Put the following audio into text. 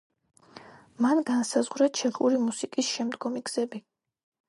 მან განსაზღვრა ჩეხური მუსიკის შემდგომი გზები.